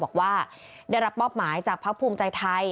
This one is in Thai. บอกว่าได้รับมอบหมายจากพักภูมิใจไทย